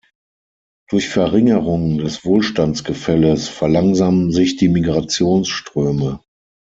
Durch Verringerung des Wohlstandsgefälles verlangsamen sich die Migrationsströme.